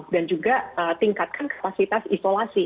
dan juga tingkatkan kapasitas isolasi